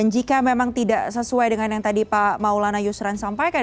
jika memang tidak sesuai dengan yang tadi pak maulana yusran sampaikan